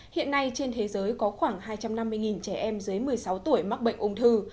hiện nay trên thế giới có khoảng hai trăm năm mươi trẻ em dưới một mươi sáu tuổi mắc bệnh ung thư